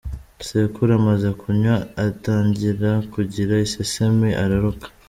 Sekuru amaze kunywa atangira kugira isesemi, araruka.